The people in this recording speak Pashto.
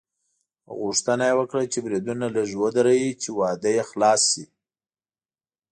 غوښتنه یې وکړه چې بریدونه لږ ودروي چې واده یې خلاص شي.